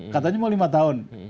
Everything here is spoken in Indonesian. katanya mau lima tahun